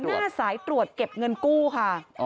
หน้าสายตรวจเก็บเงินกู้ค่ะ